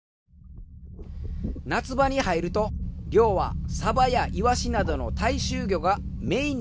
夏場に入ると漁はサバやイワシなどの大衆魚がメインになります。